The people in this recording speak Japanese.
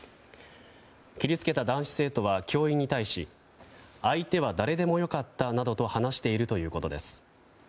切り付けた男子生徒は教員に対し相手は誰でも良かったなどと話しているということです。